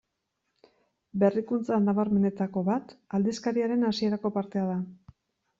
Berrikuntza nabarmenenetako bat aldizkariaren hasierako partea da.